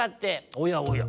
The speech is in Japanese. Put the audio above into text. おやおや。